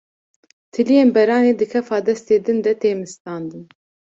Tiliyên beranê di kefa destê din de tê mistandin